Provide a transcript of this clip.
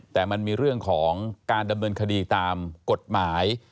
แต่มันมีเรื่องของการดำเนินคดีตามกฎหมาย